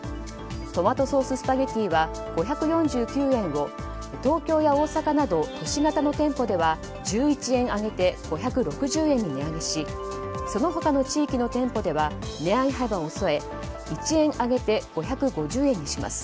トマトソーススパゲティは５４９円を東京や大阪など都市型の店舗では１１円上げて５６０円に値上げしその他の地域の店舗では値上げ幅を抑え１円上げて５５０円にします。